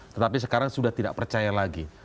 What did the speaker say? tetapi sekarang sudah tidak percaya lagi